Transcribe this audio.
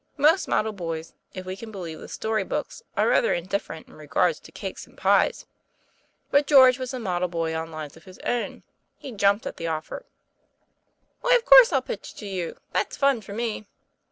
Most model boys, if we can believe the story books, are rather indifferent in regard to cakes and pie; but George was a model boy on lines of his own he jumped at the offer. TOM PLAYPAIR. 211 "Why of course I'll pitch to you; that's fun for me.'